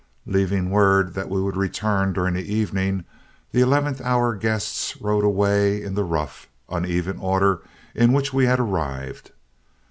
Leaving word that we would return during the evening, the eleventh hour guests rode away in the rough, uneven order in which we had arrived.